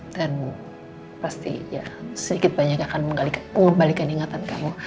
dan pasti ya sedikit banyak akan mengembalikan ingatan kamu